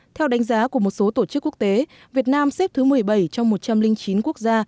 theo đánh giá của một số tổ chức quốc tế việt nam xếp thứ một mươi bảy trong một trăm linh chín quốc gia